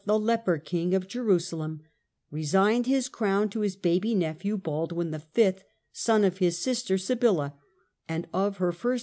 the leper king of Jerusalem, resigned his crown to his baby nephew, Baldwin V. Baldwin V., son of his sister Sibylla and of her first.